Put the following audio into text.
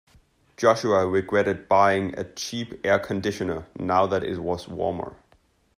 Joshua regretted buying a cheap air conditioner now that it was warmer.